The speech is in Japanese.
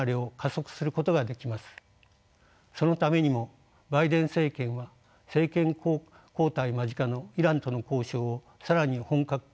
そのためにもバイデン政権は政権交代間近のイランとの交渉を更に本格化させるでしょう。